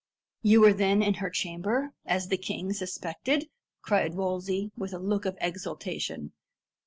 "You were then in her chamber, as the king suspected?" cried Wolsey, with a look of exultation.